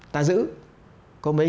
ta giữ có mấy cái nguy cơ